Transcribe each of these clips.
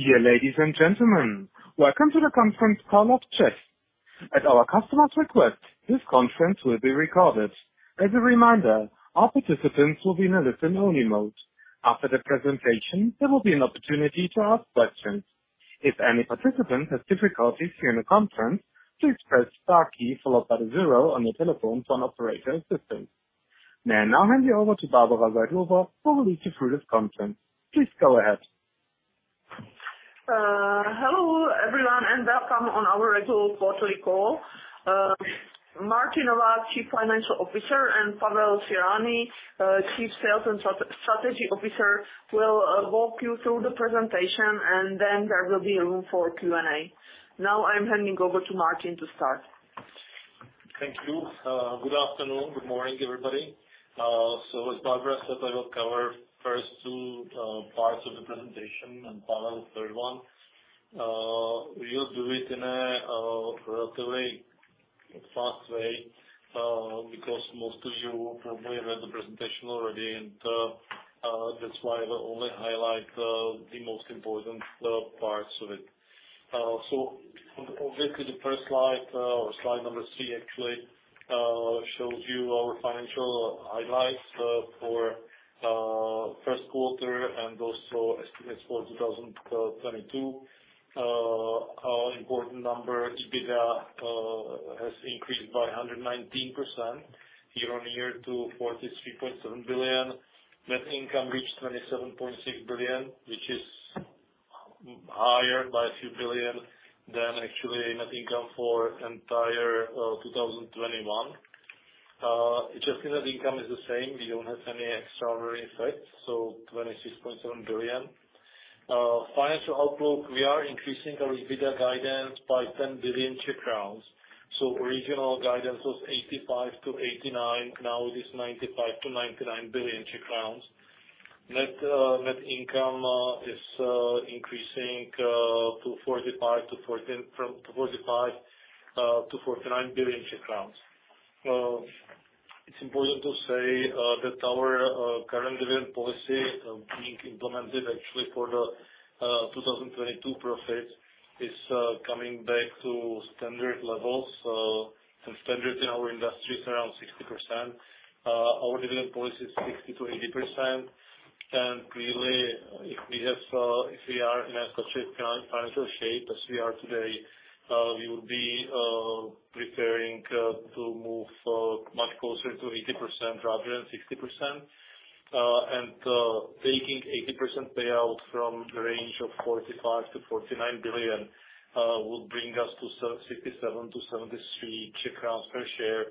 Dear ladies and gentlemen, welcome to the conference call of CEZ. At our customer's request, this conference will be recorded. As a reminder, all participants will be in a listen-only mode. After the presentation, there will be an opportunity to ask questions. If any participant has difficulties during the conference, please press star key followed by the zero on your telephone for an operator assistant. May I now hand you over to Barbara Seidlová who will lead you through this conference. Please go ahead. Hello everyone, welcome on our regular quarterly call. Martin Novák, Chief Financial Officer, and Pavel Cyrani, Chief Sales and Strategy Officer, will walk you through the presentation, and then there will be room for Q&A. Now I'm handing over to Martin to start. Thank you. Good afternoon, good morning, everybody. As Barbara said, I will cover first two parts of the presentation, and Pavel, third one. We'll do it in a relatively fast way, because most of you probably read the presentation already, and that's why I will only highlight the most important parts of it. Obviously the first slide, or slide number 3 actually, shows you our financial highlights, for first quarter and also estimates for 2022. Our important number, EBITDA, has increased by 119% year-on-year to 43.7 billion. Net income reached 27.6 billion, which is higher by a few billion than actually net income for entire 2021. Adjusted net income is the same. We don't have any extraordinary effects, so 26.7 billion. Financial outlook, we are increasing our EBITDA guidance by 10 billion. Original guidance was 85 billion-89 billion, now it is 95 billion-99 billion. Net income is increasing to 45 billion-49 billion. It's important to say that our current dividend policy, being implemented actually for the 2022 profits, is coming back to standard levels. Standard in our industry is around 60%. Our dividend policy is 60%-80%. Really, if we have, if we are in such a financial shape as we are today, we would be preparing to move much closer to 80% rather than 60%. Taking 80% payout from the range of 45-49 billion would bring us to 67-73 CZK per share,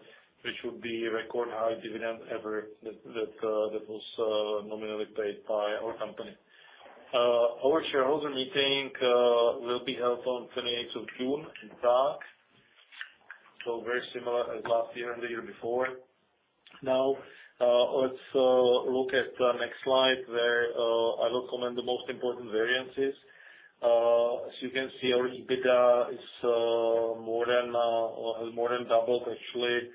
which would be record high dividend ever that was nominally paid by our company. Our shareholder meeting will be held on 28th of June in Prague. Very similar as last year and the year before. Now, let's look at the next slide, where I will comment the most important variances. As you can see, our EBITDA has more than doubled actually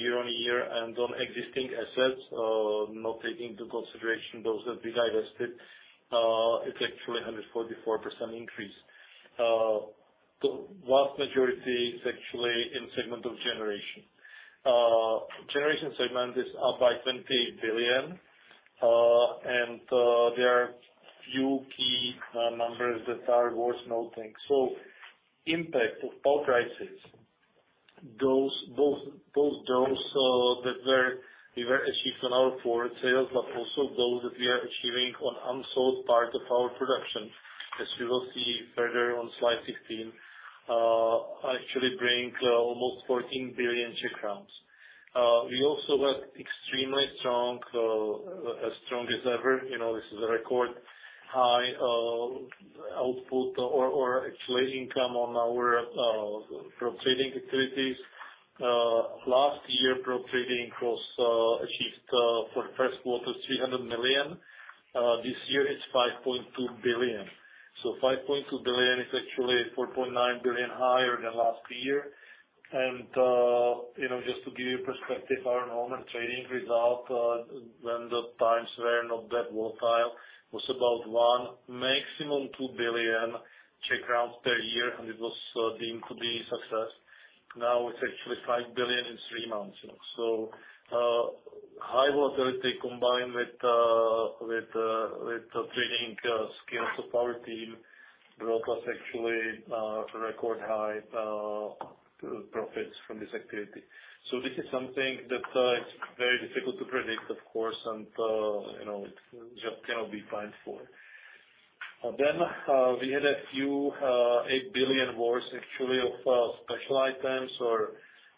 year-on-year and on existing assets, not taking into consideration those that we divested. It's actually 144% increase. The vast majority is actually in segment of generation. Generation segment is up by 20 billion. There are few key numbers that are worth noting. Impact of power prices, both those that were achieved on our forward sales, but also those that we are achieving on unsold part of our production. As we will see further on Slide 15, actually bring almost 14 billion Czech crowns. We also got extremely strong, as strong as ever, you know, this is a record high, output or actually income on our prop trading activities. Last year, prop trading was achieved for the first quarter, 300 million. This year it's 5.2 billion. Five point two billion is actually 4.9 billion higher than last year. You know, just to give you perspective, our normal trading result, when the times were not that volatile, was about 1, maximum 2 billion Czech crowns per year, and it was deemed to be success. Now it's actually 5 billion in 3 months, you know. High volatility combined with the trading skills of our team brought us actually to record high profits from this activity. This is something that is very difficult to predict, of course, and you know, it just cannot be planned for. We had 8 billion worth actually of special items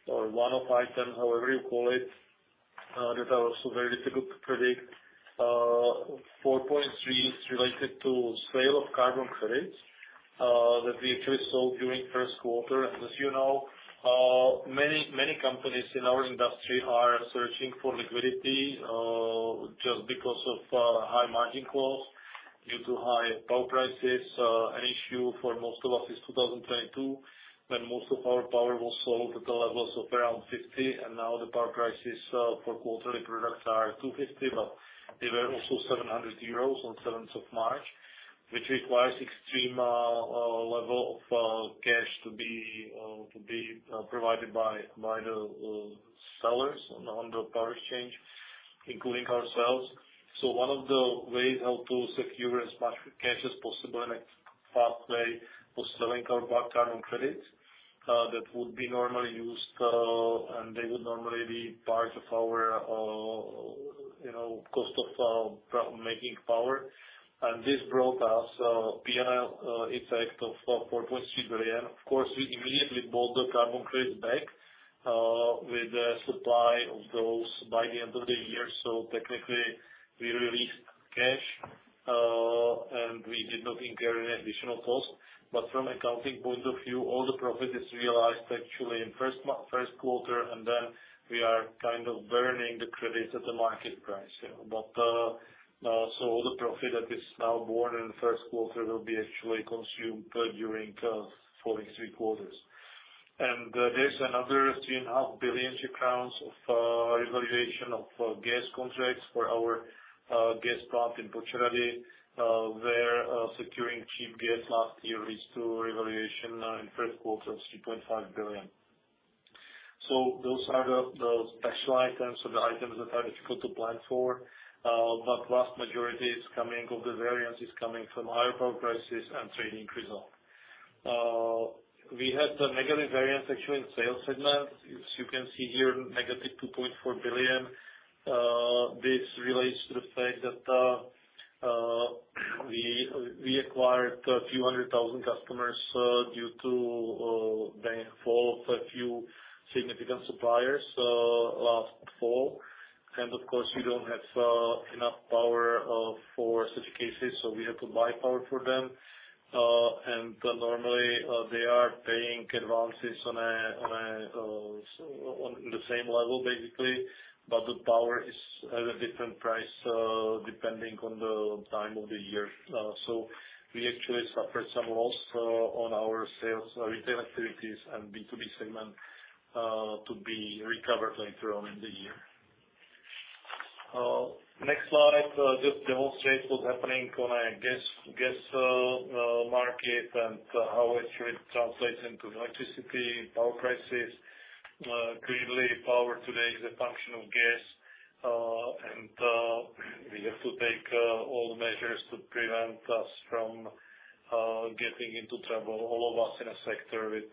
or one-off item, however you call it, that are also very difficult to predict. 4.3 is related to sale of carbon credits that we actually sold during first quarter. As you know, many companies in our industry are searching for liquidity just because of high margin calls due to high power prices. For most of us is 2022, when most of our power was sold at the levels of around 50, and now the power prices for quarterly products are 250, but they were also 700 euros on seventh of March, which requires extreme level of cash to be provided by the sellers on the power exchange, including ourselves. One of the ways how to secure as much cash as possible in a fast way was selling our carbon credits, that would be normally used, and they would normally be part of our, you know, cost of, making power. This brought us, PNL, effect of 4.3 billion. Of course, we immediately bought the carbon credits back, with the supply of those by the end of the year. Technically, we released cash, and we did not incur any additional cost. From accounting point of view, all the profit is realized actually in first quarter, and then we are kind of burning the credits at the market price, you know. All the profit that is now borne in the first quarter will be actually consumed, during, following three quarters. There's another three and a half billion Czech crowns of revaluation of gas contracts for our gas plant in Počerady, where securing cheap gas last year is to revaluation in first quarter of three-point five billion. Those are the special items or the items that are difficult to plan for, but vast majority is coming of the variance is coming from higher power prices and trading result. We had a negative variance actually in sales segment. As you can see here, negative two-point four billion. This relates to the fact that we acquired a few hundred thousand customers due to the fall of a few significant suppliers last fall. Of course, we don't have enough power for such cases, so we have to buy power for them. Normally, they are paying advances on the same level, basically, but the power is at a different price depending on the time of the year. So we actually suffered some loss on our sales retail activities and B2B segment to be recovered later on in the year. Next slide just demonstrates what's happening on a gas market and how it should translate into electricity and power prices. Clearly, power today is a function of gas, and we have to take all measures to prevent us from getting into trouble, all of us in a sector with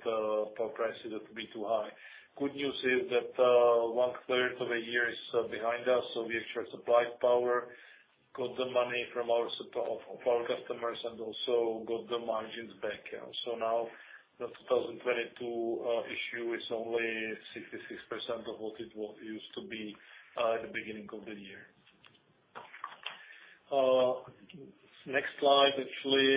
power prices that will be too high. Good news is that one-third of a year is behind us, so we actually supplied power, got the money from our customers, and also got the margins back. Now the 2022 issue is only 66% of what it used to be at the beginning of the year. Next slide, actually,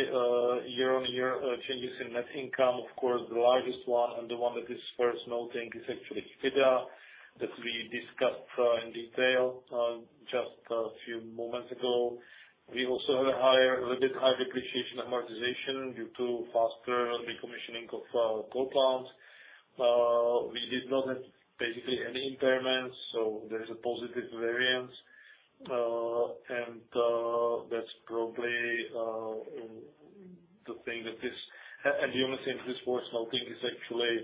year-on-year changes in net income. Of course, the largest one and the one that is worth noting is actually EBITDA, that we discussed in detail just a few moments ago. We also had a little bit higher depreciation and amortization due to faster decommissioning of coal plants. We did not have basically any impairments, so there's a positive variance. That's probably the thing that is. The only thing that is worth noting is actually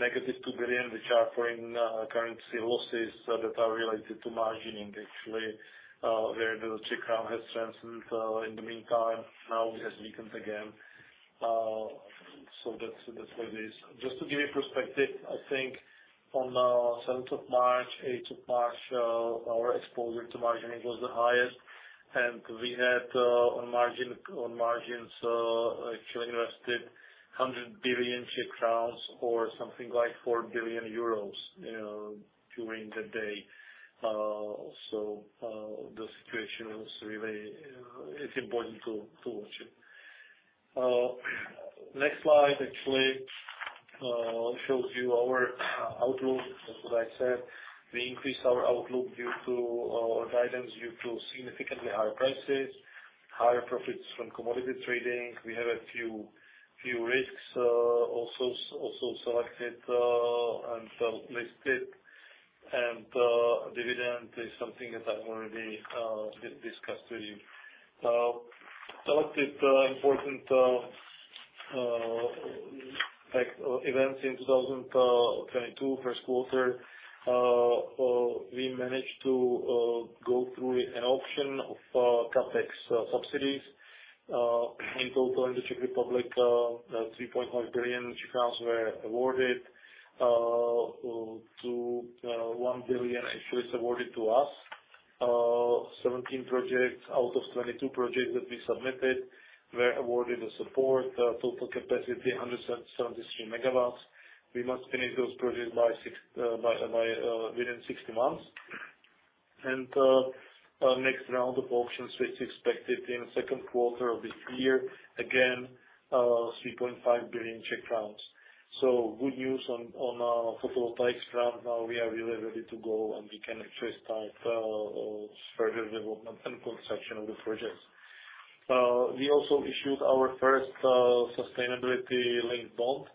-2 billion, which are foreign currency losses that are related to margining, actually. Where the Czech crown has strengthened in the meantime. Now it has weakened again. That's how it is. Just to give you perspective, I think on seventh of March, eighth of March, our exposure to margining was the highest, and we had on margins actually invested 100 billion Czech crowns or something like 4 billion euros during the day. The situation is really important to watch it. Next slide actually shows you our outlook. As I said, we increased our outlook due to our guidance due to significantly higher prices, higher profits from commodity trading. We had a few risks, also selected and listed. Dividend is something that I already did discuss with you. Selected important, like, events in 2022 first quarter. We managed to go through an auction of CapEx subsidies. In total, in the Czech Republic, 3.5 billion Czech crowns were awarded. 2.1 billion actually is awarded to us. 17 projects out of 22 projects that we submitted were awarded the support. Total capacity, 173 MW. We must finish those projects within 60 months. Next round of auctions is expected in second quarter of this year. Again, 3.5 billion. Good news on photovoltaics front. Now we are really ready to go, and we can actually start further development and construction of the projects. We also issued our first sustainability-linked bond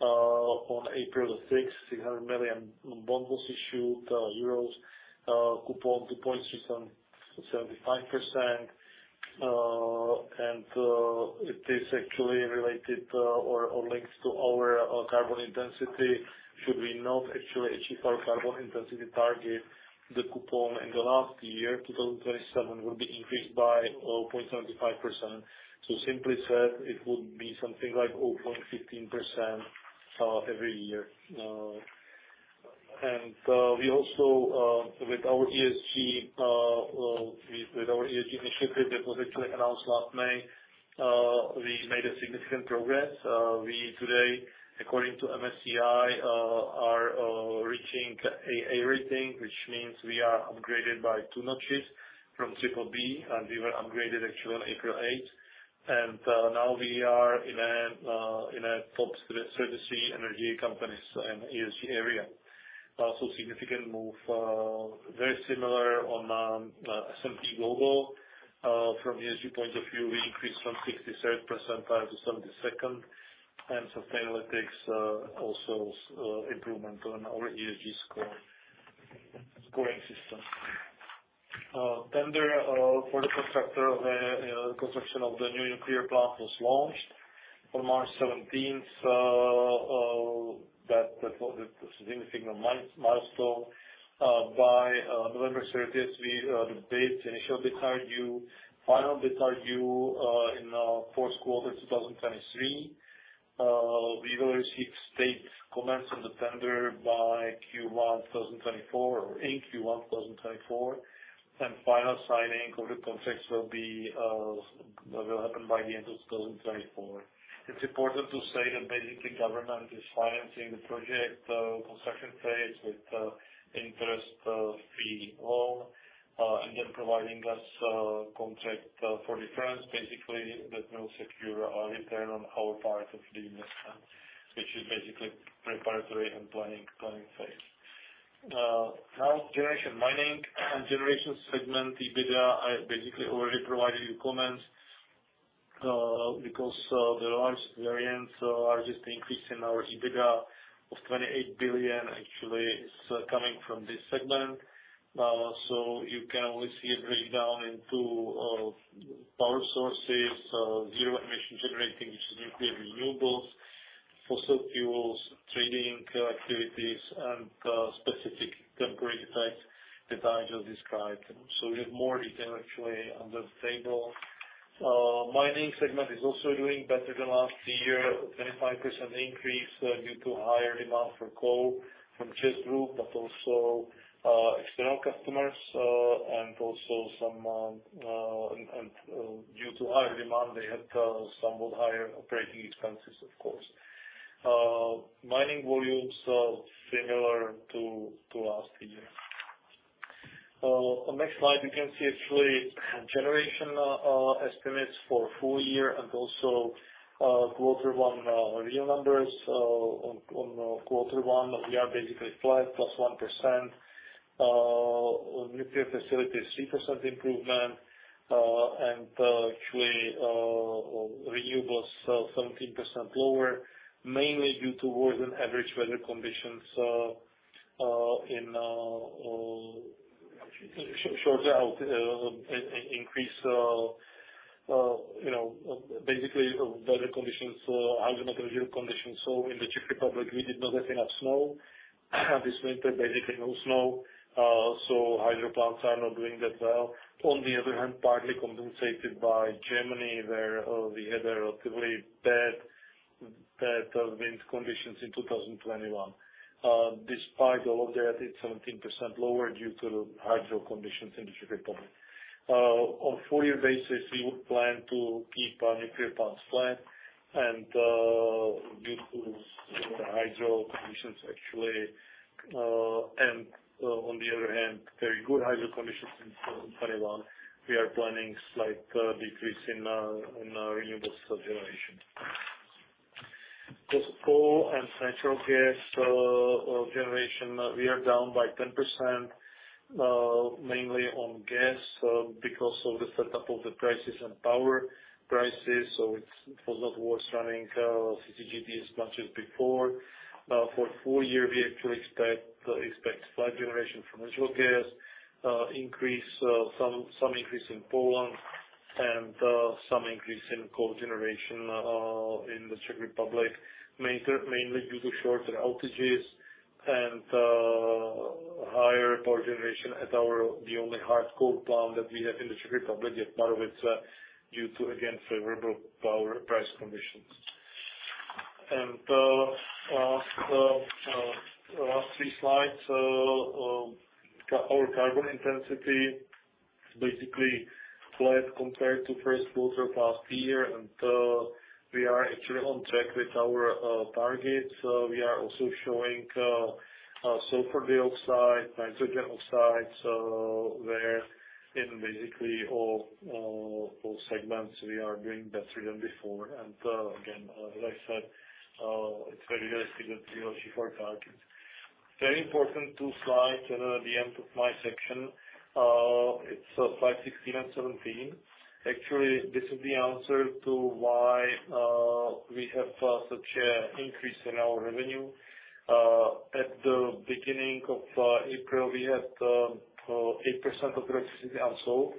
on April 6th. 600 million bonds was issued, coupon 2.675%. It is actually related or links to our carbon intensity should we not actually achieve our carbon intensity target. The coupon in the last year, 2027, will be increased by 0.75%. Simply said, it would be something like 0.15% every year. We also with our ESG initiative that was actually announced last May, we made a significant progress. Today, according to MSCI, we are reaching AA rating, which means we are upgraded by two notches from BBB, and we were upgraded actually on April 8. Now we are in a top 33 energy companies in ESG area. Also significant move, very similar on S&P Global. From ESG point of view, we increased from 63rd percentile to 72nd. Sustainalytics also improvement on our ESG score, scoring system. Tender for the construction of the new nuclear plant was launched on March 17. That was a significant milestone. By November 30, the initial bid RDU, final bid RDU in fourth quarter 2023. We will receive state comments on the tender by Q1 2024 or in Q1 2024. Final signing of the contracts will happen by the end of 2024. It's important to say that basically government is financing the project construction phase with interest-free loan and then providing us contract for difference basically that will secure our return on our part of the investment, which is basically preparatory and planning phase. Now generation mining and generation segment EBITDA, I basically already provided you comments because the largest increase in our EBITDA of 28 billion actually is coming from this segment. You can always see a breakdown into power sources, zero emission generating, which is nuclear renewables, fossil fuels, trading activities, and specific temporary effects that I just described. We have more detail actually on the table. Mining segment is also doing better than last year. 25% increase due to higher demand for coal from CEZ Group, but also external customers, and due to higher demand, they had somewhat higher operating expenses, of course. Mining volumes are similar to last year. On next slide, we can see actually generation estimates for full year and also quarter one real numbers on quarter one, we are basically flat +1%. On nuclear facilities, 3% improvement. Actually, renewables 17% lower, mainly due to worse than average weather conditions, you know, basically weather conditions, hydrometeorological conditions. In the Czech Republic, we did not have enough snow this winter, basically no snow. Hydro plants are not doing that well. On the other hand, partly compensated by Germany, where we had a relatively bad wind conditions in 2021. Despite all of that, it's 17% lower due to hydro conditions in the Czech Republic. On full year basis, we would plan to keep our nuclear plants flat and due to hydro conditions actually. On the other hand, very good hydro conditions in 2021, we are planning slight decrease in our renewables generation. Just coal and natural gas generation, we are down by 10%, mainly on gas, because of the setup of the prices and power prices. It was not worth running CCGT as much as before. For full year, we actually expect flat generation from natural gas, some increase in Poland and some increase in coal generation in the Czech Republic, mainly due to shorter outages and higher power generation at our only hard coal plant that we have in the Czech Republic at Dětmarovice, due to again favorable power price conditions. Last three slides. Our carbon intensity basically flat compared to first quarter of last year. We are actually on track with our targets. We are also showing sulfur dioxide, nitrogen oxides, where in basically all segments we are doing better than before. Again, as I said, it's very realistic that we will achieve our targets. Very important two slides at the end of my section. It's Slide 16 and 17. Actually, this is the answer to why we have such an increase in our revenue. At the beginning of April, we had 8% of capacity unsold,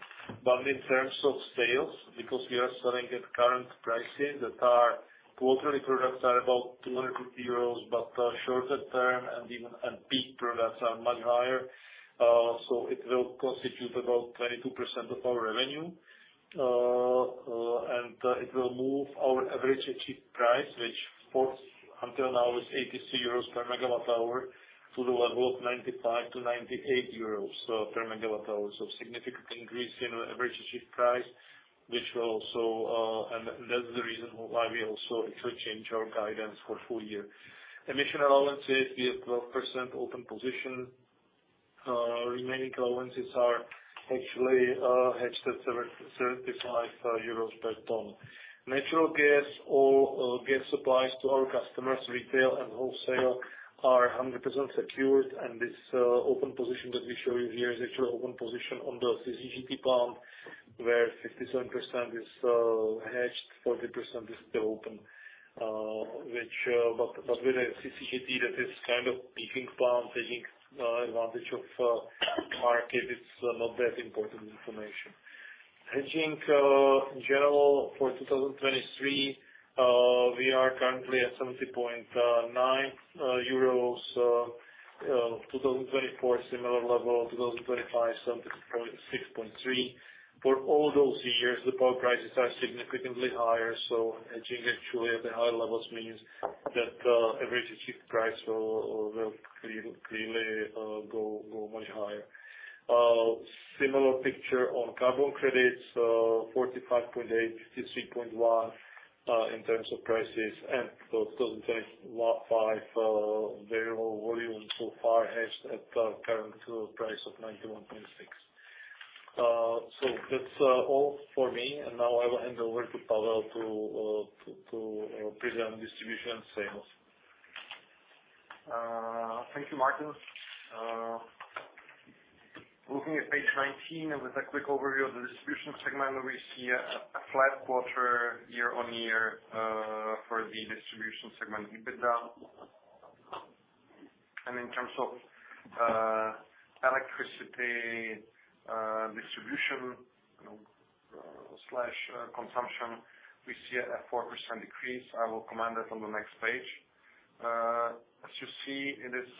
but in terms of sales, because we are selling at current pricing that our quarterly products are about 250 euros, but shorter term and peak products are much higher. So it will constitute about 22% of our revenue. It will move our average achieved price, which until now is 83 euros per megawatt hour to the level of 95-98 euros per megawatt hour. Significant increase in average achieved price, which will also. That's the reason why we also actually change our guidance for full year. Emission allowances, we have 12% open position. Remaining allowances are actually hedged at 75 euros per ton. Natural gas or gas supplies to our customers, retail and wholesale, are 100% secured. This open position that we show you here is actually open position on the CCGT plant, where 57% is hedged, 40% is still open. Which, but with the CCGT, that is kind of peaking plant, taking advantage of market, it's not that important information. Hedging in general for 2023, we are currently at 70.9 euros. 2024, similar level. 2025, 76.3. For all those years, the power prices are significantly higher, so hedging actually at the higher levels means that average achieved price will clearly go much higher. Similar picture on carbon credits, 45.8, 53.1 in terms of prices. 2025, their whole volume so far hedged at current price of 91.6. So that's all for me. Now I will hand over to Pavel Cyrani to present distribution and sales. Thank you, Martin. Looking at page 19 and with a quick overview of the distribution segment, we see a flat quarter year-on-year for the distribution segment EBITDA. In terms of electricity distribution, you know, slash consumption, we see a 4% decrease. I will comment it on the next page. As you see, it is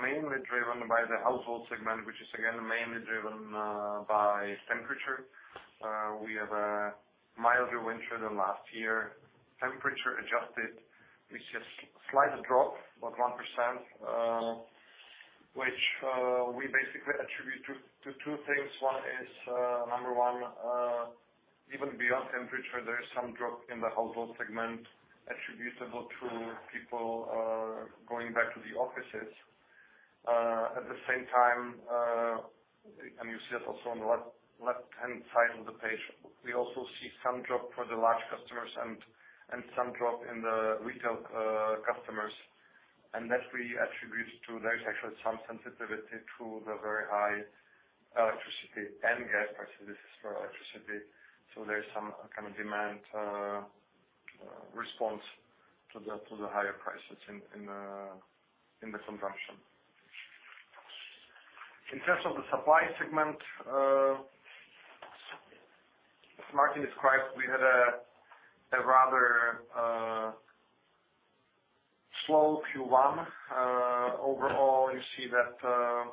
mainly driven by the household segment, which is again mainly driven by temperature. We have a milder winter than last year. Temperature adjusted, we see a slight drop, about 1%, which we basically attribute to two things. One is number one, even beyond temperature, there is some drop in the household segment attributable to people going back to the offices. At the same time, and you see it also on the left-hand side of the page, we also see some drop for the large customers and some drop in the retail customers. That we attribute to that there is actually some sensitivity to the very high electricity and gas prices. This is for electricity, so there's some kind of demand response to the higher prices in the consumption. In terms of the supply segment, as Martin Novák described, we had a rather slow Q1. Overall, you see that.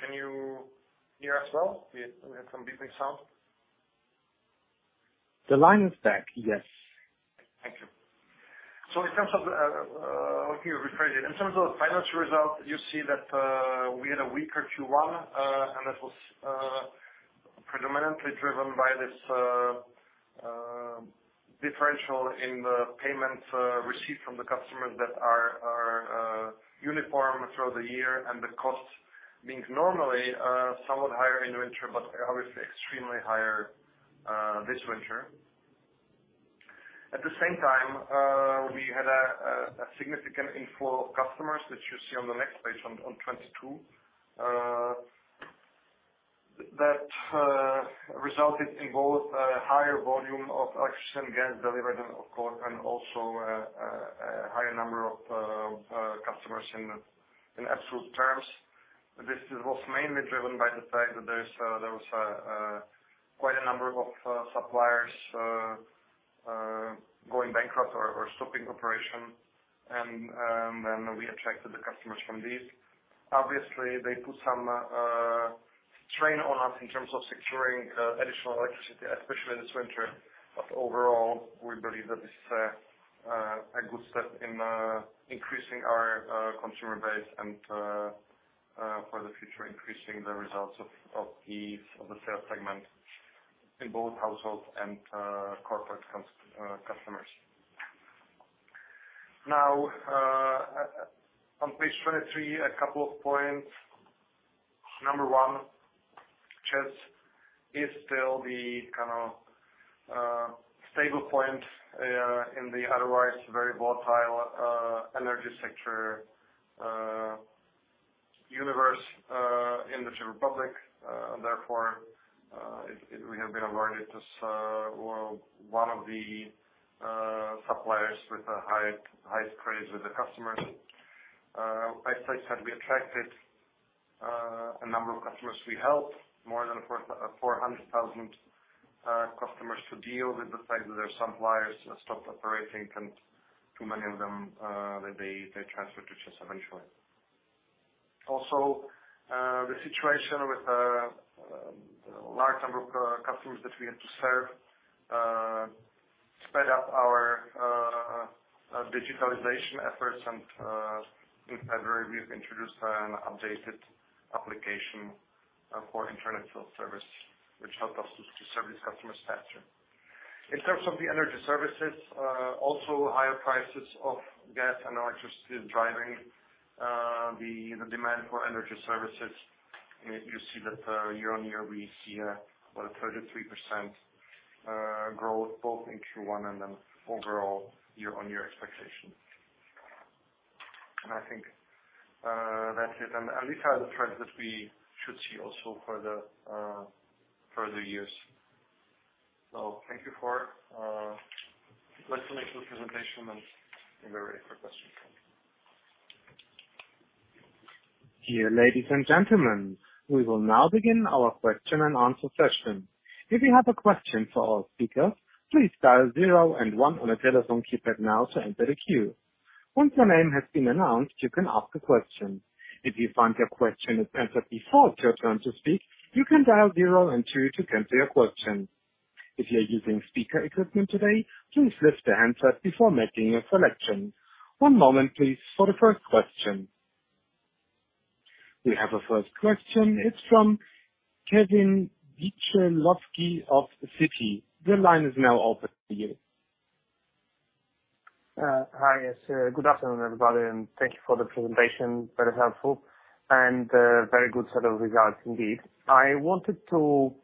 Can you hear us well? We have some beeping sound. The line is back. Yes. Thank you. In terms of, let me rephrase it. In terms of financial results, you see that we had a weaker Q1, and this was predominantly driven by this differential in the payments received from the customers that are uniform throughout the year. The cost being normally somewhat higher in winter but are extremely higher this winter. At the same time, we had a significant inflow of customers, which you see on the next page, on 22. That resulted in both a higher volume of electricity and gas delivered, of course, and also a higher number of customers in absolute terms. was mainly driven by the fact that there was quite a number of suppliers going bankrupt or stopping operation and then we attracted the customers from these. Obviously, they put some strain on us in terms of securing additional electricity, especially this winter. Overall, we believe that this is a good step in increasing our consumer base and for the future, increasing the results of the sales segment in both household and corporate customers. Now, on page 23, a couple of points. Number one, CEZ is still the kind of stable point in the otherwise very volatile energy sector universe in the Czech Republic. Therefore, we have been awarded this, well, one of the suppliers with high praise with the customers. Like I said, we attracted a number of customers we helped, more than 400,000 customers to deal with the fact that their suppliers stopped operating, and too many of them they transferred to CEZ eventually. Also, the situation with large number of customers that we had to serve sped up our digitalization efforts. In February, we've introduced an updated application for internet self-service, which helped us to service customers faster. In terms of the energy services, also higher prices of gas and electricity is driving the demand for energy services. You see that year-over-year, we see about a 33% growth both in Q1 and then overall year-over-year expectations. I think that is at least half the trend that we should see also for the further years. Thank you for listening to the presentation, and we're ready for questions. Dear ladies and gentlemen, we will now begin our question and answer session. If you have a question for our speakers, please dial zero and one on your telephone keypad now to enter the queue. Once your name has been announced, you can ask a question. If you find your question is answered before it's your turn to speak, you can dial zero and two to cancel your question. If you're using speaker equipment today, please lift the handset before making a selection. One moment please for the first question. We have a first question. It's from Piotr Dzieciołowski of Citi. The line is now open to you. Hi. Yes, good afternoon, everybody, and thank you for the presentation. Very helpful. Very good set of results indeed. I wanted to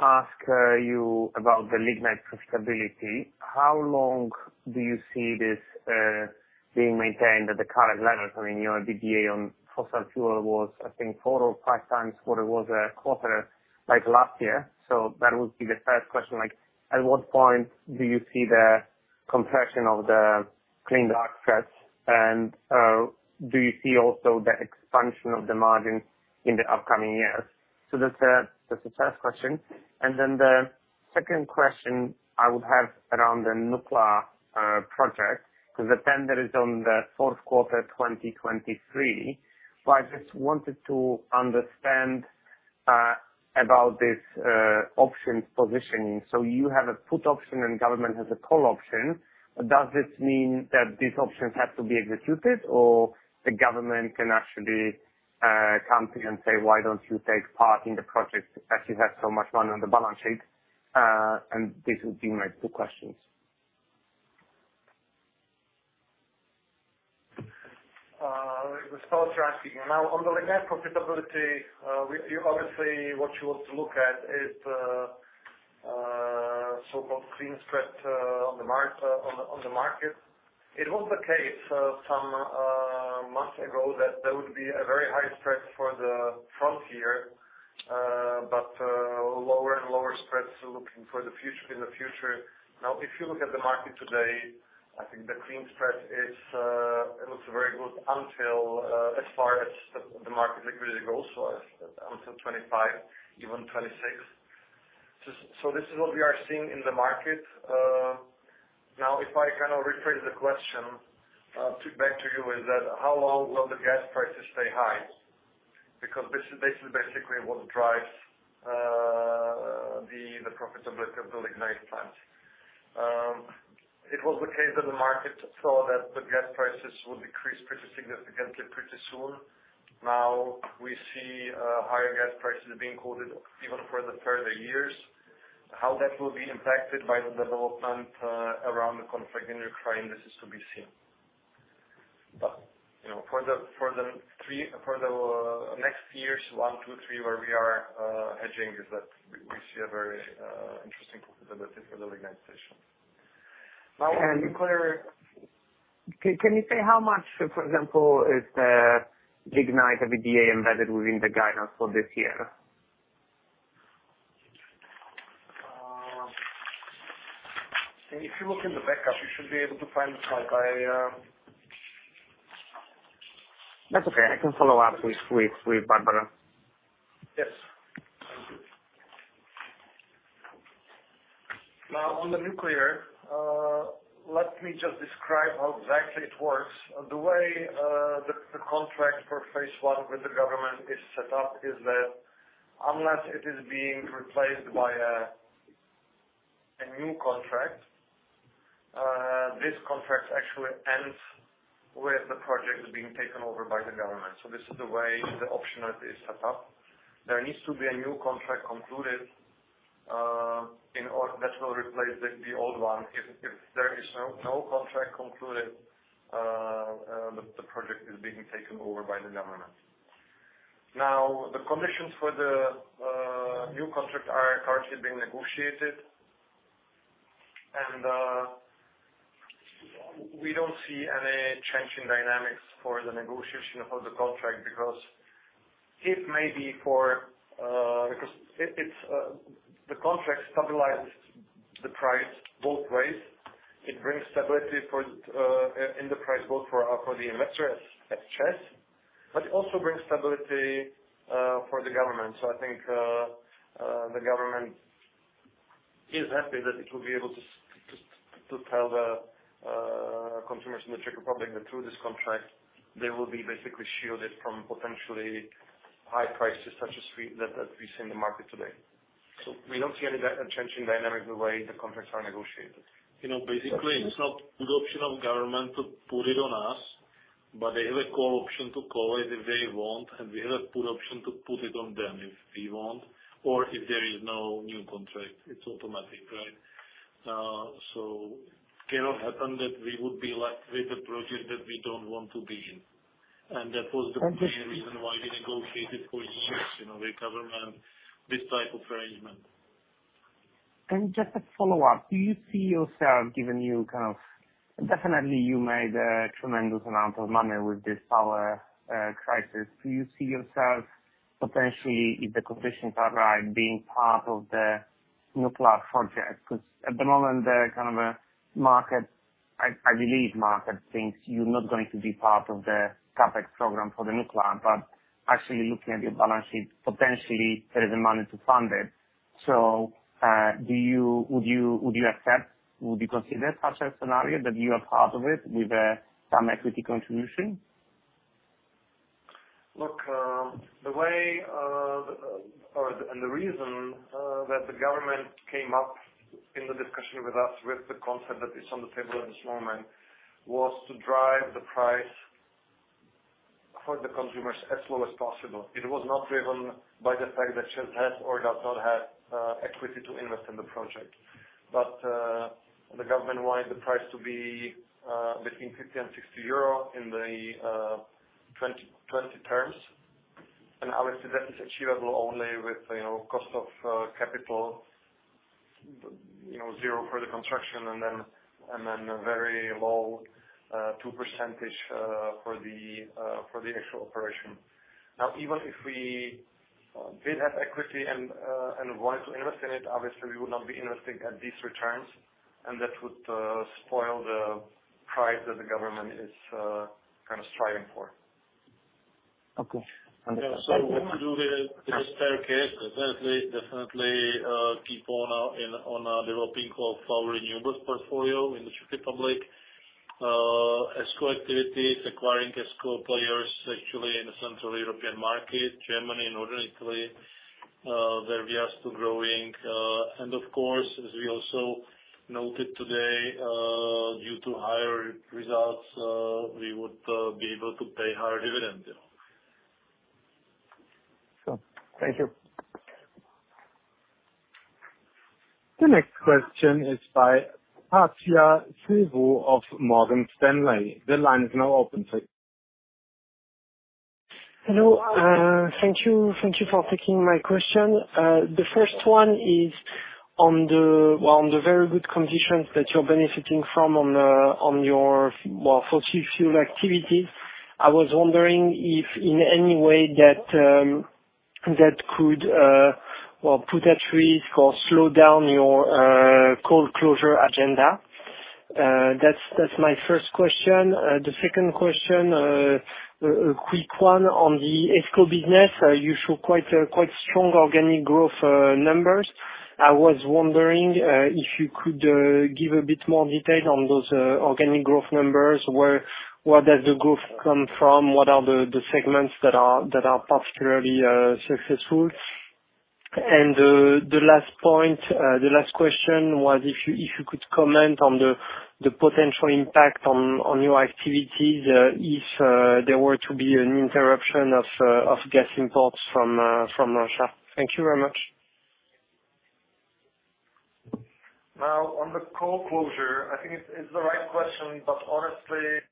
ask you about the lignite profitability. How long do you see this being maintained at the current levels? I mean, your EBITDA on fossil fuel was, I think, four or five times what it was a quarter like last year. That would be the first question, like, at what point do you see the compression of the clean dark spreads? Do you see also the expansion of the margin in the upcoming years? That's the first question. Then the second question I would have around the nuclear project, because the tender is on the fourth quarter 2023. But I just wanted to understand about this options positioning. You have a put option and government has a call option. Does this mean that these options have to be executed, or the government can actually come to you and say, "Why don't you take part in the project as you have so much money on the balance sheet?" This would be my two questions. Response you're asking. Now, on the lignite profitability, we obviously what you want to look at is, so-called clean spread, on the market. It was the case, some months ago that there would be a very high spread for the front year, but, lower and lower spreads looking forward in the future. Now, if you look at the market today, I think the clean spread is, it looks very good until, as far as the market liquidity goes for us, until 2025, even 2026. So this is what we are seeing in the market. Now, if I kind of rephrase the question, back to you, is that how long will the gas prices stay high? Because this is basically what drives the profitability of the lignite plants. It was the case that the market saw that the gas prices would decrease pretty significantly pretty soon. Now we see higher gas prices being quoted even for the further years. How that will be impacted by the development around the conflict in Ukraine, this is to be seen. You know, for the next years, 1, 2, 3, where we are hedging is that we see a very interesting profitability for the lignite stations. Now on nuclear. Can you say how much, for example, is the lignite EBITDA embedded within the guidance for this year? If you look in the backup, you should be able to find the slide. That's okay. I can follow up with Barbara. Yes. Now on the nuclear, let me just describe how exactly it works. The way the contract for Phase I with the government is set up is that unless it is being replaced by a new contract, this contract actually ends with the project being taken over by the government. This is the way the optionality is set up. There needs to be a new contract concluded that will replace the old one if there is no contract concluded, the project is being taken over by the government. Now, the conditions for the new contract are currently being negotiated. We don't see any change in dynamics for the negotiation of the contract because it's the contract stabilizes the price both ways. It brings stability in the price, both for the investor as CEZ, but it also brings stability for the government. I think the government is happy that it will be able to to tell the consumers in the Czech Republic that through this contract, they will be basically shielded from potentially high prices such as that we see in the market today. We don't see any change in the dynamics the way the contracts are negotiated. You know, basically, it's not good option of government to put it on us, but they have a call option to call it if they want, and we have a put option to put it on them if we want, or if there is no new contract, it's automatic, right? Cannot happen that we would be left with a project that we don't want to be in. That was the reason why we negotiated for years, you know, with government this type of arrangement. Just a follow-up. Definitely, you made a tremendous amount of money with this power crisis. Do you see yourself potentially, if the conditions are right, being part of the nuclear project? Because at the moment, the kind of a market, I believe market thinks you're not going to be part of the CapEx program for the nuclear. Actually looking at your balance sheet, potentially there is the money to fund it. Would you consider such a scenario that you are part of it with some equity contribution? Look, the reason that the government came up in the discussion with us with the concept that is on the table at this moment was to drive the price for the consumers as low as possible. It was not driven by the fact that CEZ has or does not have equity to invest in the project. The government wanted the price to be between 50 and 60 euro in 2020 terms. Obviously, that is achievable only with, you know, cost of capital, you know, zero for the construction and then a very low 2% for the actual operation. Now, even if we did have equity and wanted to invest in it, obviously, we would not be investing at these returns, and that would spoil the price that the government is kind of striving for. Okay. Understood. What we do with the spare cash, definitely keep on developing our renewables portfolio in the Czech Republic. ESCO activity, acquiring ESCO players actually in the Central European market, Germany, Northern Italy, where we are still growing. Of course, as we also noted today, due to higher results, we would be able to pay higher dividend. Cool. Thank you. The next question is by Arthur Sitbon of Morgan Stanley. The line is now open, Arthur. Hello. Thank you. Thank you for taking my question. The first one is on the very good conditions that you're benefiting from on your fossil fuel activities. I was wondering if in any way that could put at risk or slow down your coal closure agenda. That's my first question. The second question, a quick one on the ESCO business. You show quite strong organic growth numbers. I was wondering if you could give a bit more detail on those organic growth numbers. Where does the growth come from? What are the segments that are particularly successful? The last question was if you could comment on the potential impact on your activities if there were to be an interruption of gas imports from Russia. Thank you very much. Now, on the coal closure, I think it's the right question, but honestly.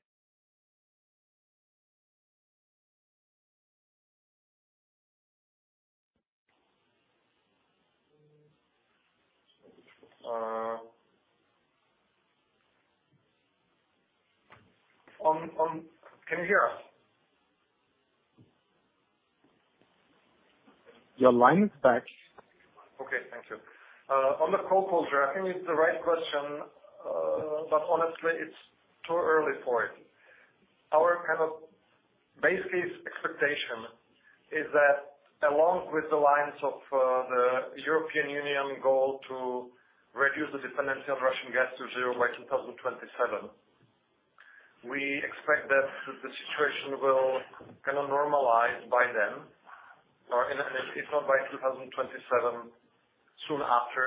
Can you hear us? Your line is back. Okay. Thank you. On the coal closure, I think it's the right question, but honestly, it's too early for it. Our kind of base case expectation is that along the lines of the European Union goal to reduce the dependency on Russian gas to zero by 2027, we expect that the situation will kinda normalize by then. Or if not by 2027, soon after.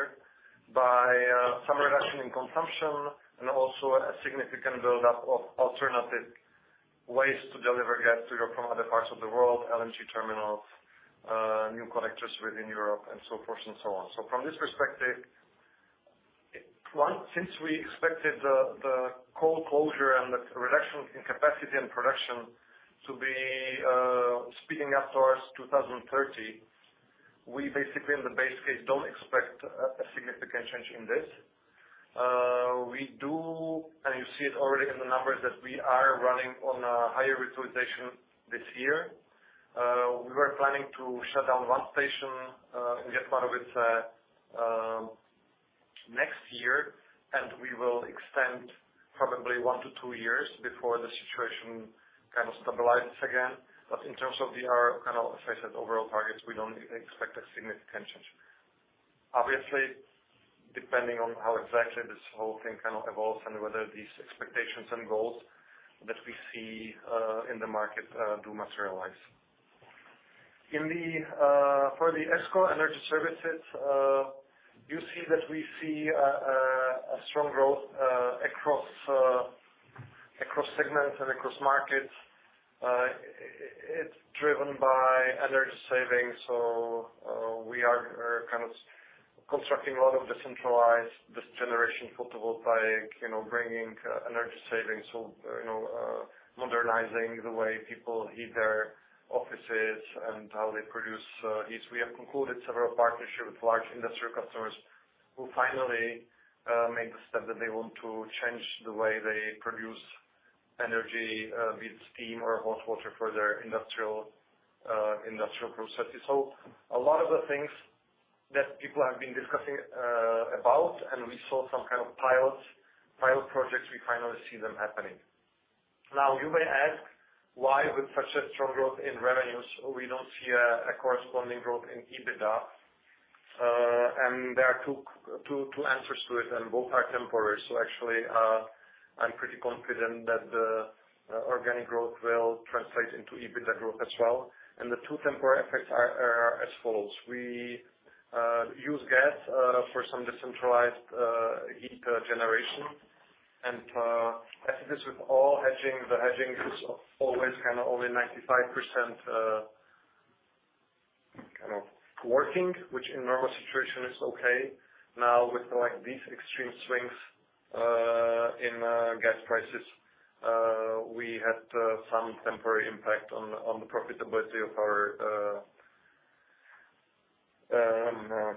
Some reduction in consumption and also a significant buildup of alternative ways to deliver gas to Europe from other parts of the world, LNG terminals, new connectors within Europe and so forth and so on. From this perspective, one, since we expected the coal closure and the reduction in capacity and production to be speeding up towards 2030, we basically, in the base case, don't expect a significant change in this. We do, and you see it already in the numbers that we are running on a higher utilization this year. We were planning to shut down one station in Katowice next year, and we will extend probably 1-2 years before the situation kind of stabilizes again. In terms of our, kind of, as I said, overall targets, we don't expect a significant change. Obviously, depending on how exactly this whole thing kind of evolves and whether these expectations and goals that we see in the market do materialize. In the for the ESCO energy services, you see that we see a strong growth across segments and across markets. It's driven by energy savings, so we are kind of constructing a lot of decentralized distributed photovoltaic, you know, bringing energy savings or, you know, modernizing the way people heat their offices and how they produce heat. We have concluded several partnerships with large industrial customers who finally made the step that they want to change the way they produce energy with steam or hot water for their industrial processes. A lot of the things that people have been discussing, and we saw some kind of pilot projects, we finally see them happening. Now, you may ask, why with such a strong growth in revenues, we don't see a corresponding growth in EBITDA? There are two answers to it, and both are temporary. Actually, I'm pretty confident that the organic growth will translate into EBITDA growth as well. The two temporary effects are as follows: We use gas for some decentralized heat generation. As it is with all hedging, the hedging is always kinda only 95% kind of working, which in a normal situation is okay. Now, with like these extreme swings in gas prices, we had some temporary impact on the profitability of our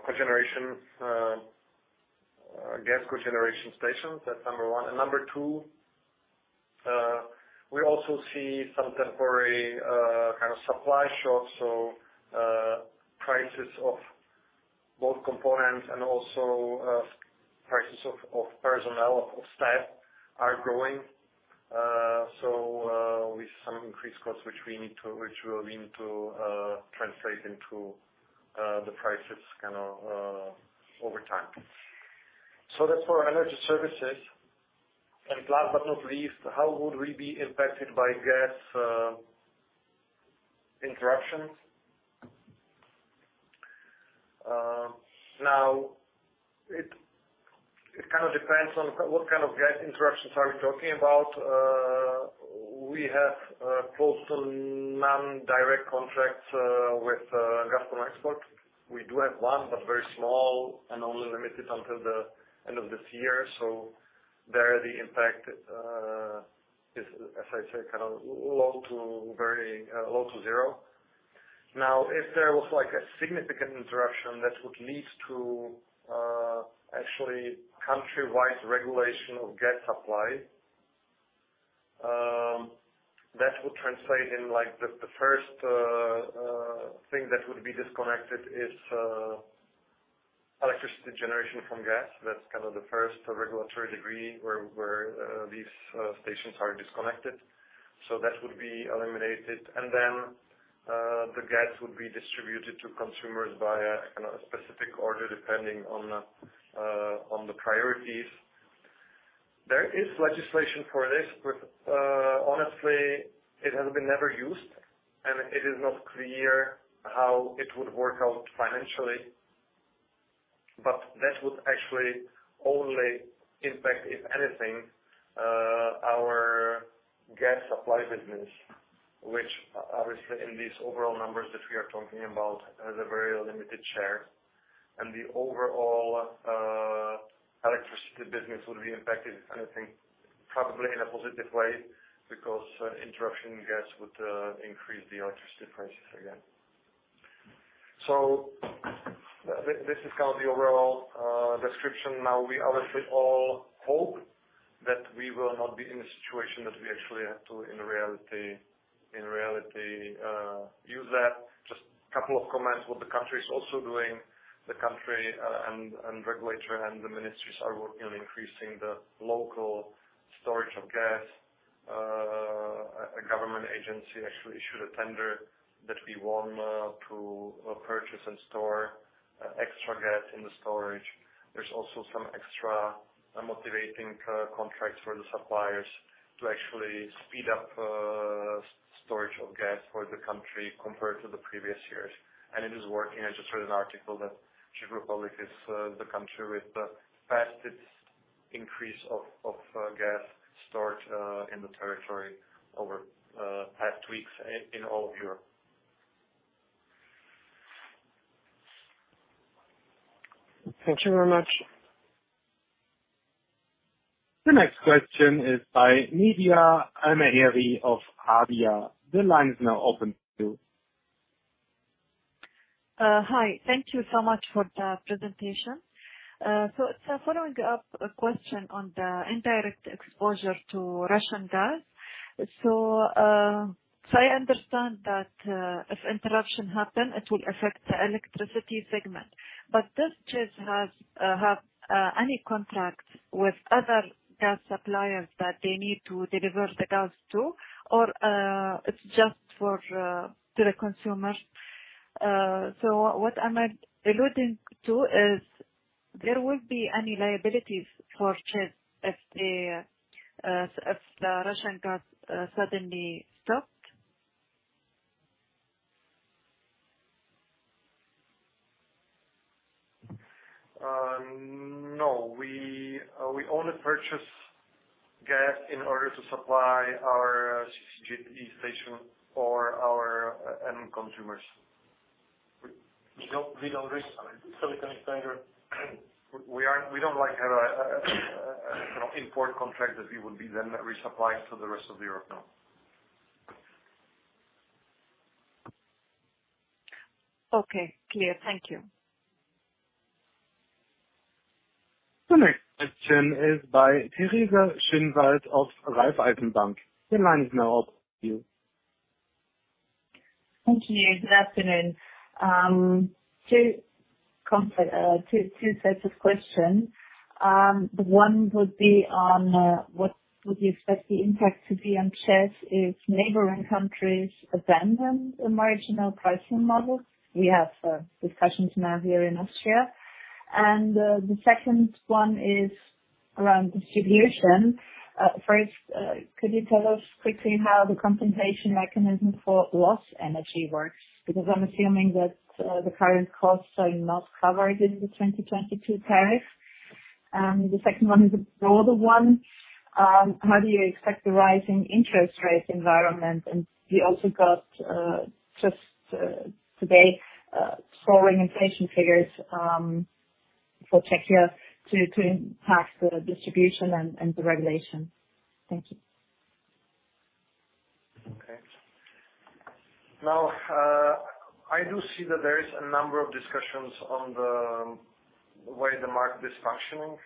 cogeneration gas cogeneration stations. That's number one. Number two, we also see some temporary kind of supply shocks. Prices of both components and also prices of personnel of staff are growing. With some increased costs which will need to translate into the prices kind of over time. That's for energy services. Last but not least, how would we be impacted by gas interruptions? It kind of depends on what kind of gas interruptions are we talking about. We have close to none direct contracts with gas from export. We do have one, but very small and only limited until the end of this year. There, the impact is, as I said, kind of low to very low to zero. Now, if there was like a significant interruption that would lead to actually country-wide regulation of gas supply, that would translate in, like, the first thing that would be disconnected is electricity generation from gas. That's kind of the first regulatory degree where these stations are disconnected. That would be eliminated. Then the gas would be distributed to consumers via a kind of specific order, depending on the priorities. There is legislation for this, but honestly, it has been never used, and it is not clear how it would work out financially. That would actually only impact, if anything, our gas supply business, which obviously in these overall numbers that we are talking about, has a very limited share. The overall electricity business would be impacted, if anything, probably in a positive way, because interruption in gas would increase the electricity prices again. This is kind of the overall description. Now, we obviously all hope that we will not be in a situation that we actually have to, in reality, use that. Just couple of comments what the country is also doing. The country and regulator and the ministries are working on increasing the local storage of gas. A government agency actually issued a tender that we won to purchase and store extra gas in the storage. There's also some extra motivating contract for the suppliers to actually speed up storage of gas for the country compared to the previous years. It is working. I just read an article that Czech Republic is the country with the fastest increase of gas storage in the territory over past weeks in all of Europe. Thank you very much. The next question is by Nadia Al-mehri of Abia. The line is now open to you. Hi. Thank you so much for the presentation. Following up a question on the indirect exposure to Russian gas. I understand that, if interruption happen, it will affect the electricity segment. But does CEZ have any contracts with other gas suppliers that they need to deliver the gas to, or it's just for the consumers. What am I alluding to is there would be any liabilities for CEZ if the Russian gas suddenly stopped? No. We only purchase gas in order to supply our CEZ E station or our end consumers. We don't risk. We aren't. We don't, like, have a, you know, import contract that we would be then resupplying to the rest of Europe, no. Okay. Clear. Thank you. The next question is by Teresa Schinwald of Raiffeisen Bank. The line is now open to you. Thank you. Good afternoon. Two sets of questions. One would be on what would you expect the impact to be on CEZ if neighboring countries abandon a marginal pricing model. We have discussions now here in Austria. The second one is around distribution. First, could you tell us quickly how the compensation mechanism for loss energy works? Because I'm assuming that the current costs are not covered in the 2022 tariff. The second one is a broader one. How do you expect the rising interest rate environment and we also got just today soaring inflation figures for Czechia to impact the distribution and the regulation. Thank you. Okay. Now, I do see that there is a number of discussions on the way the market is functioning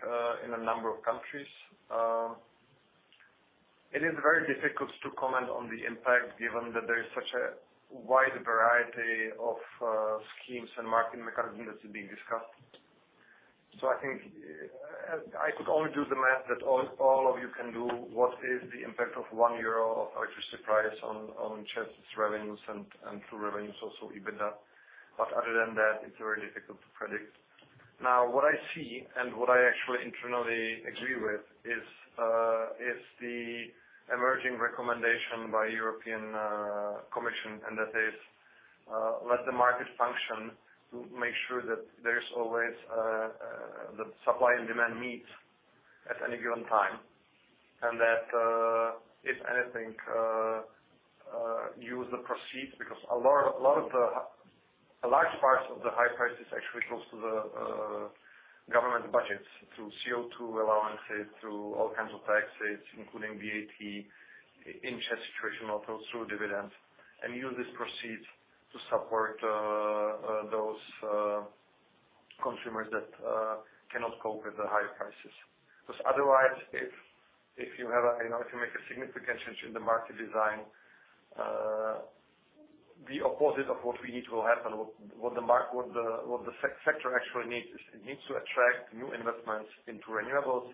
in a number of countries. It is very difficult to comment on the impact given that there is such a wide variety of schemes and market mechanisms being discussed. I think I could only do the math that all of you can do, what is the impact of 1 euro of electricity price on CEZ's revenues and true revenues, also EBITDA. Other than that, it's very difficult to predict. Now, what I see and what I actually internally agree with is the emerging recommendation by European Commission, and that is, let the market function. Make sure that there is always the supply and demand meet at any given time. That if anything, use the proceeds, because a lot of the large part of the high prices actually goes to the government budgets through CO2 allowances, through all kinds of taxes, including VAT, in CEZ situation, also through dividends, and use these proceeds to support those consumers that cannot cope with the higher prices. Otherwise, if you have, you know, if you make a significant change in the market design, the opposite of what we need will happen. What the sector actually needs is it needs to attract new investments into renewables,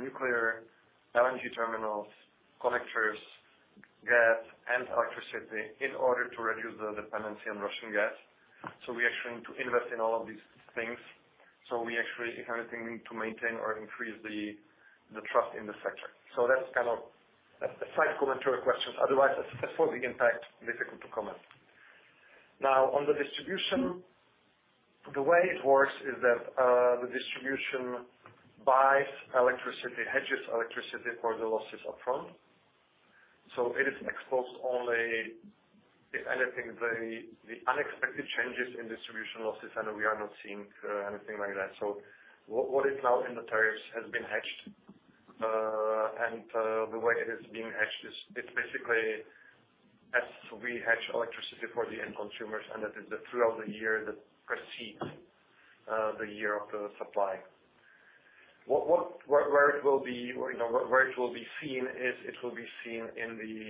nuclear, LNG terminals, connectors, gas and electricity in order to reduce the dependency on Russian gas. We actually need to invest in all of these things. We actually, if anything, need to maintain or increase the trust in the sector. That's kind of a side commentary question. Otherwise, as for the impact, difficult to comment. Now, on the distribution, the way it works is that the distribution buys electricity, hedges electricity for the losses upfront. It is exposed only if anything, the unexpected changes in distribution losses, and we are not seeing anything like that. What is now in the tariffs has been hedged. The way it is being hedged is, it's basically as we hedge electricity for the end consumers, and that is throughout the year that precedes the year of the supply. Where it will be seen is in the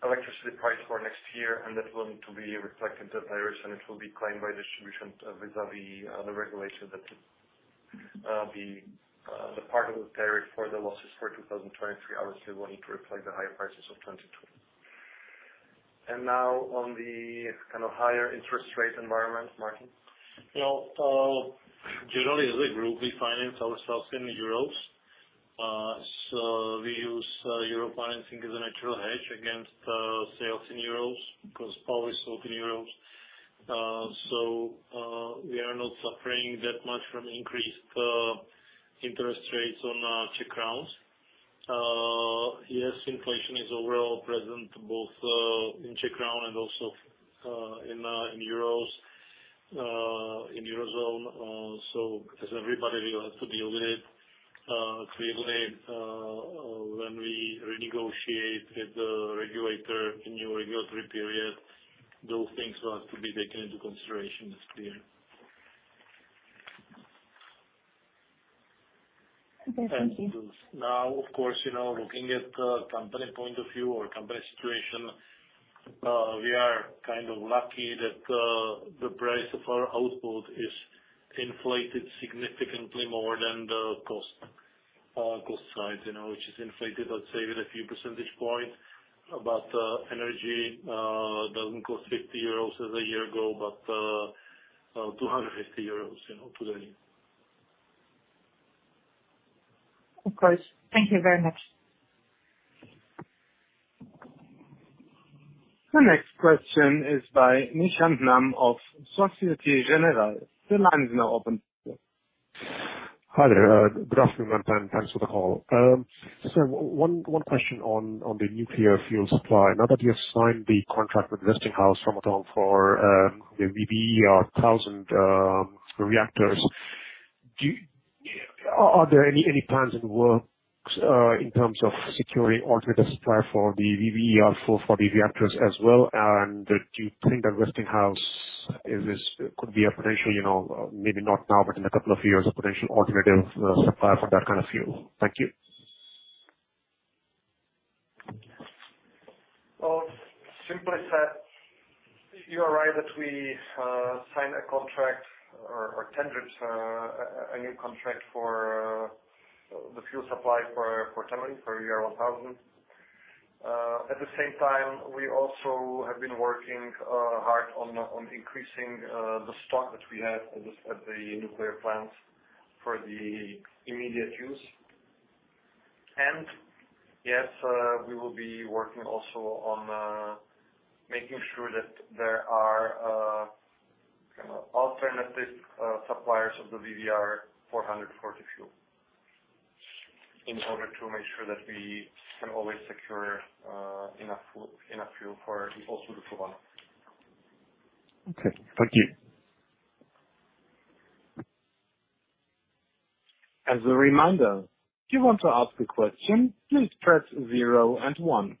electricity price for next year, and that will need to be reflected to tariffs, and it will be claimed by distribution vis-à-vis the regulation that the part of the tariff for the losses for 2023 obviously will need to reflect the higher prices of 2022. Now on the kind of higher interest rate environment, Martin. Well, generally as a group, we finance ourselves in euros, so we use euro financing as a natural hedge against sales in euros because power is sold in euros. We are not suffering that much from increased interest rates on Czech crowns. Yes, inflation is overall present both in Czech crowns and also in euros in Eurozone. As everybody, we will have to deal with it. Clearly, when we renegotiate with the regulator in new regulatory period, those things will have to be taken into consideration. It's clear. Okay, thank you. Now, of course, you know, looking at the company point of view or company situation, we are kind of lucky that the price of our output is inflated significantly more than the cost side, you know, which is inflated, let's say with a few percentage points. Energy doesn't cost 50 euros as a year ago, but 250 euros, you know, today. Of course. Thank you very much. The next question is by Nishan Nam of Société Générale. The line is now open. Hi there. Good afternoon, everyone. Thanks for the call. One question on the nuclear fuel supply. Now that you have signed the contract with Westinghouse and Framatome for the VVER thousand reactors, are there any plans in the works in terms of securing alternate supply for the VVER for the reactors as well? And do you think that Westinghouse could be a potential, you know, maybe not now, but in a couple of years, a potential alternative supplier for that kind of fuel? Thank you. Well, simply said, you are right that we sign a contract or tendered a new contract for the fuel supply for Temelín for VVER-1000. At the same time, we also have been working hard on increasing the stock that we have at the nuclear plants for the immediate use. Yes, we will be working also on making sure that there are kinda alternative suppliers of the VVER-440 core fuel in order to make sure that we can always secure enough fuel for also the Dukovany. Okay. Thank you. As a reminder, if you want to ask a question, please press zero and one.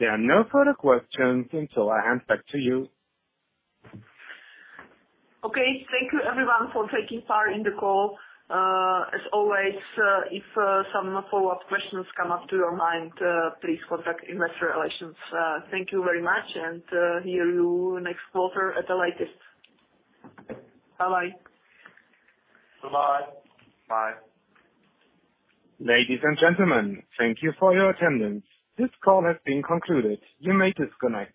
There are no further questions. Barbara Seidlová, I hand back to you. Okay. Thank you everyone for taking part in the call. As always, if some follow-up questions come up to your mind, please contact investor relations. Thank you very much and hear you next quarter at the latest. Bye-bye. Bye-bye. Bye. Ladies and gentlemen, thank you for your attendance. This call has been concluded. You may disconnect.